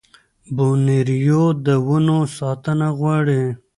بورنېو د ونو ساتنه غواړي.